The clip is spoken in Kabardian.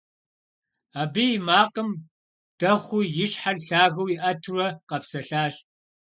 Абы и макъым дэхъуу и щхьэр лъагэу иӀэтурэ къэпсэлъащ.